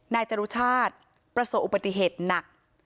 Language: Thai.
จรุชาติประสบอุบัติเหตุหนัก